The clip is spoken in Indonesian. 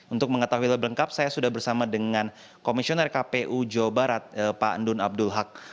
untuk mengetahui lebih lengkap saya sudah bersama dengan komisioner kpu jawa barat pak endun abdul haq